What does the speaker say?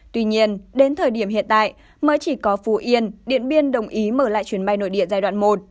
tuy nhiên đến thời điểm hiện tại mới chỉ có phú yên điện biên đồng ý mở lại chuyến bay nội địa giai đoạn một